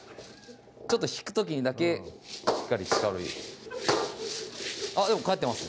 ちょっと引く時にだけしっかりあっでも返ってます